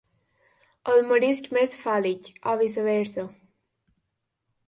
El marisc més fàl·lic, o viceversa.